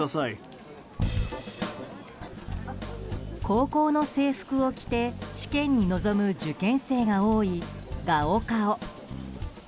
高校の制服を着て試験に臨む受験生が多いガオカオ。